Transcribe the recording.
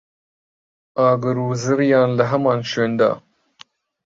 ئاگر و زریان لە هەمان شوێندا